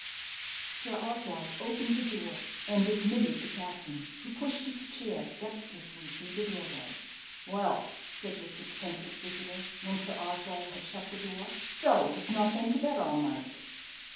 Sir Oswald opened the door, and admitted the captain, who pushed his chair dexterously through the doorway. "Well," said this eccentric visitor, when Sir Oswald had shut the door, "so you've not been to bed all night?"